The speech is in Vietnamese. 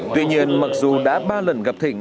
tuy nhiên mặc dù đã ba lần gặp thịnh